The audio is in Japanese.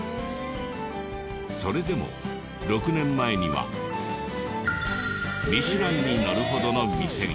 それでも６年前には『ミシュラン』に載るほどの店に。